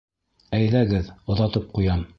Әйҙәгеҙ, оҙатып ҡуям.